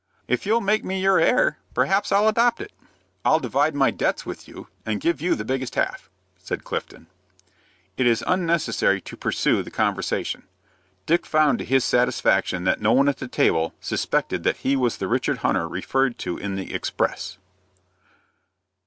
"If you'll make me your heir, perhaps I'll adopt it." "I'll divide my debts with you, and give you the biggest half," said Clifton. It is unnecessary to pursue the conversation. Dick found to his satisfaction that no one at the table suspected that he was the Richard Hunter referred to in the "Express."